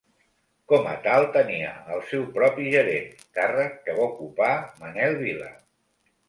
Com a tal, tenia el seu propi gerent, càrrec que va ocupar Manel Vila.